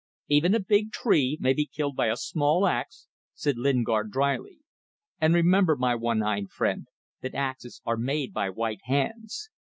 "Even a big tree may be killed by a small axe," said Lingard, drily. "And, remember, my one eyed friend, that axes are made by white hands.